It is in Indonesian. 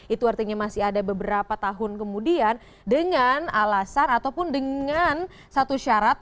itu artinya masih ada beberapa tahun kemudian dengan alasan ataupun dengan satu syarat